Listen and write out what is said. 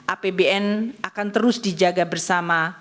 apbn akan terus dijaga bersama